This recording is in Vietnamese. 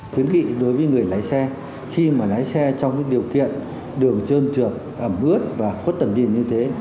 khuyến nghị đối với người lái xe khi mà lái xe trong cái điều kiện đường trơn trượt ẩm ướt và khuất tầm nhìn như thế